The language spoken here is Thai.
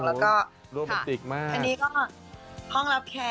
แล้วก็อันนี้ก็ห้องรับแข่